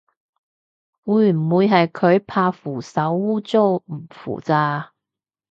會唔會係佢怕扶手污糟唔扶咋